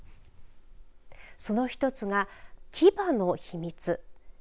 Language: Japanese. その一つが牙の秘密。